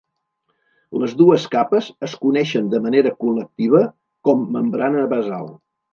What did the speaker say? Les dues capes es coneixen de manera col·lectiva com membrana basal.